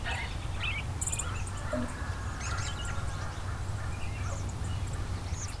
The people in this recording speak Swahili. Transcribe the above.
mkulima anapaswa kujua umuhimuwa kuchakata viazi